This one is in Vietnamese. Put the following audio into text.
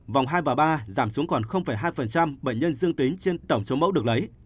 vòng hai và ba giảm xuống còn hai bệnh nhân dương tính trên tổng chống mẫu được lấy